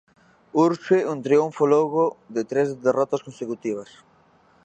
Urxe un triunfo logo de tres derrotas consecutivas.